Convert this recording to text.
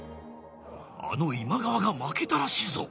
あの今川が負けたらしいぞ。